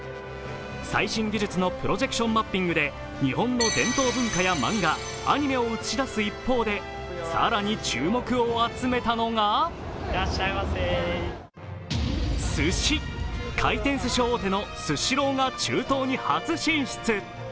最新技術のプロジェクションマッピングで日本の伝統文化や漫画、アニメを映し出す一方で、更に注目を集めたのがすし、回転すし大手のスシローが中東に大進出。